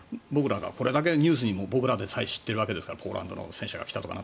これだけニュースで僕らでさえ知っているわけですからポーランドの戦車が来たとか。